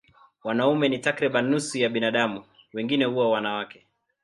Wanaume ni takriban nusu ya binadamu, wengine huwa wanawake.